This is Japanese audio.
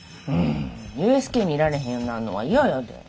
ＵＳＫ見られへんようになんのは嫌やで。